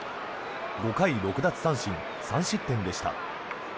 ５回６奪三振３失点でした。